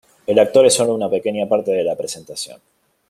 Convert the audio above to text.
El actor es solo una pequeña parte de la presentación.